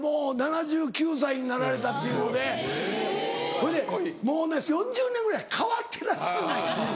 ほいでもうね４０年ぐらい変わってらっしゃらない。